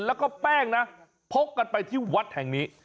แล้วก็แป้งนะพกกันไปที่วัดแห่งนี้